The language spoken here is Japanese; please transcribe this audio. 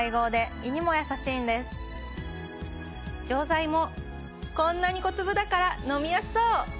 錠剤もこんなに小粒だから飲みやすそう！